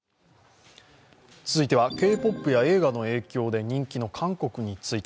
Ｋ−ＰＯＰや映画の影響で人気の韓国について。